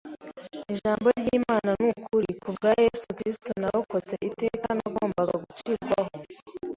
Ijambo ry’Imana ni ukuri! Ku bwa Yesu Kristo narokotse iteka nagombaga gucirwaho